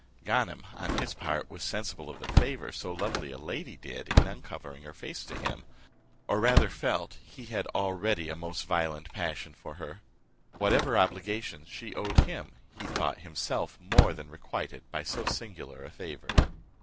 Ganem on his part was sensible of the favour so lovely a lady did in uncovering her face to him, or rather felt he had already a most violent passion for her. Whatever obligations she owed him, he thought himself more than requited by so singular a favour.